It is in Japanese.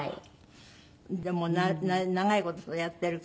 でも長い事やってるから。